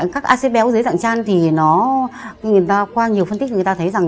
các acid béo dưới dạng chan thì qua nhiều phân tích người ta thấy rằng